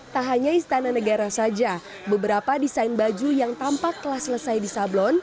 tak hanya istana negara saja beberapa desain baju yang tampak telah selesai di sablon